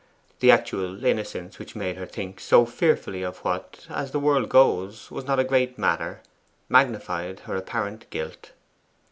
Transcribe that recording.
The actual innocence which made her think so fearfully of what, as the world goes, was not a great matter, magnified her apparent guilt.